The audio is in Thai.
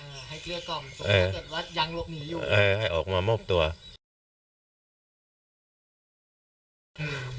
ก็ป้าเปิดอย่างนี้วะนั้น